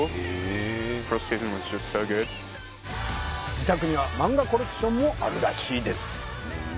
自宅には漫画コレクションもあるらしいです